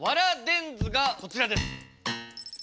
電図がこちらです。